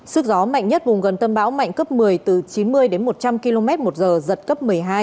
sức gió mạnh nhất vùng gần tâm bão mạnh cấp một mươi từ chín mươi đến một trăm linh km một giờ giật cấp một mươi hai